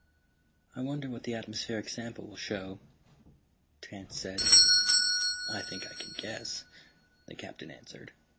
"I wonder what the atmospheric sample will show," Tance said. "I think I can guess," the Captain answered.